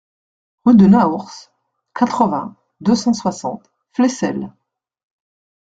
Rue de Naours, quatre-vingts, deux cent soixante Flesselles